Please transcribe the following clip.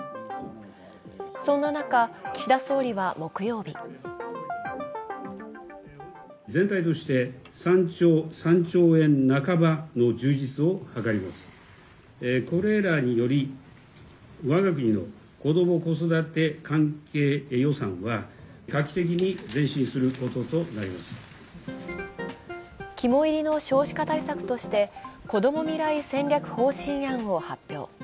そんな中、岸田総理は木曜日肝煎りの少子化対策としてこども未来戦略方針案を発表。